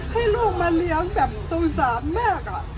ให้ลูกมาเลี้ยงแบบสงสารมาก